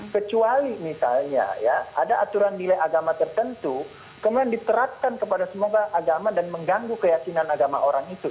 kecuali misalnya ya ada aturan nilai agama tertentu kemudian diterapkan kepada semoga agama dan mengganggu keyakinan agama orang itu